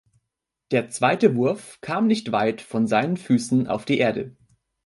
Der zweite Wurf kam nicht weit von seinen Füßen auf die Erde.